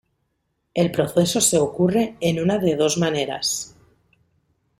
El proceso se ocurre en una de dos maneras.